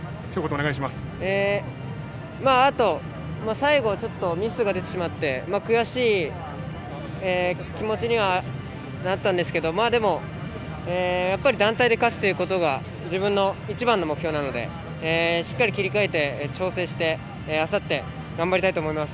最後、ちょっとミスが出てしまって悔しい気持ちにはなったんですけどでも、やっぱり団体で勝つということが自分の一番の目標なのでしっかり切り替えて調整してあさって、頑張りたいと思います。